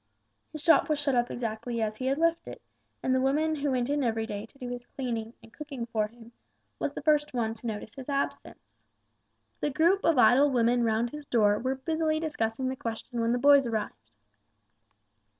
His shop was shut up exactly as he had left it, and the woman who went in every day to do his cleaning and cooking for him, was the first one to notice his absence. The group of idle women round his door were busily discussing the question when the boys arrived.